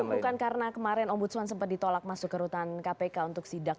tapi ini bukan karena kemarin om butswan sempat ditolak masuk ke rutan